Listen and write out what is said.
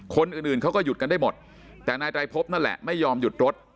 คนอื่นเขาก็หยุดกันได้หมดแต่นายไตรพบนั่นแหละไม่ยอมหยุดรถ